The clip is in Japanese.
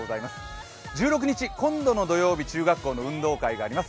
１６日、今度の土曜日、中学校の運動があります